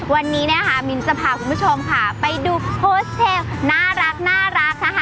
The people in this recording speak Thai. วันนี้นะคะมิ้นจะพาคุณผู้ชมค่ะไปดูโพสต์เทลน่ารักนะคะ